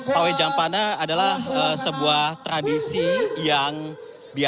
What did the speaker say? pawai jampana adalah sebuah tradisi yang biasanya ini merupakan arak arakan atau karnaval begitu ya